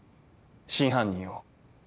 真犯人を。